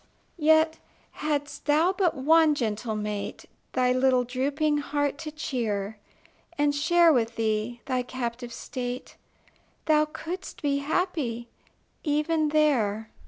Yet, hadst thou but one gentle mate Thy little drooping heart to cheer, And share with thee thy captive state, Thou couldst be happy even there.